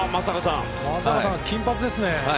松坂さん、金髪ですね。